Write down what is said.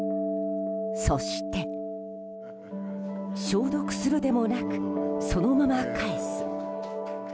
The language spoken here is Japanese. そして消毒するでもなくそのまま返す。